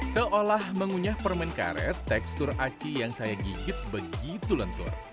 seolah mengunyah permen karet tekstur aci yang saya gigit begitu lentur